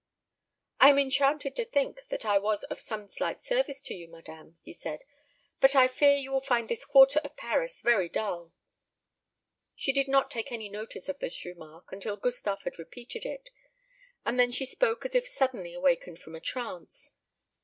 "I am enchanted to think that I was of some slight service to you, madame," he said; "but I fear you will find this quarter of Paris very dull." She did not take any notice of this remark until Gustave had repeated it, and then she spoke as if suddenly awakened from a trance.